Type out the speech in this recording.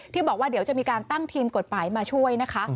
บอกว่าเดี๋ยวจะมีการตั้งทีมกฎหมายมาช่วยนะคะ